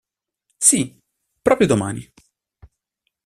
Sì, proprio domani!